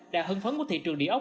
đã hưng phấn của thị trường địa ốc